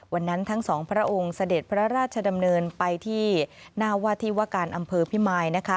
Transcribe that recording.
ทั้งสองพระองค์เสด็จพระราชดำเนินไปที่หน้าว่าที่ว่าการอำเภอพิมาย